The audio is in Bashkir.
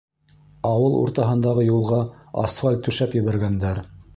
Ауыл уртаһындағы юлға асфальт түшәп ебәргәндәр.